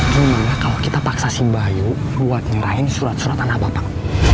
gimana kalau kita paksa si bayu buat nyerahin surat surat anak bapak